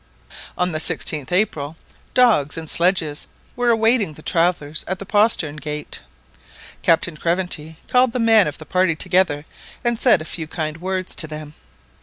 On the 16th April dogs and sledges were awaiting the travellers at the postern gate. Captain Craventy called the men of the party together and said a few kind words to them.